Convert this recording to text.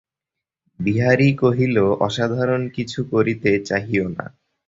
বিহারী কহিল, অসাধারণ কিছু করিতে চাহিয়ো না।